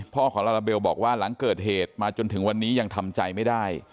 ของลาลาเบลบอกว่าหลังเกิดเหตุมาจนถึงวันนี้ยังทำใจไม่ได้